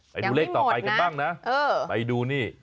ไปดูเลขต่อไปกันบ้างนะไปดูนี่